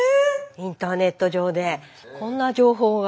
インターネット上でこんな情報が。